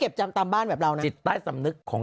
เขาเก็บที่ถัง